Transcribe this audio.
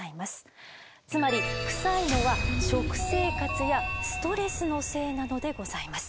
つまりクサいのは食生活やストレスのせいなのでございます。